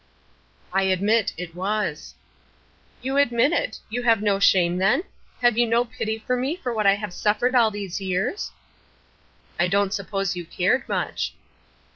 "I admit it. It was." "You admit it. Have you no shame then? Have you no pity for me for what I have suffered all these years?" "I don't suppose you cared much."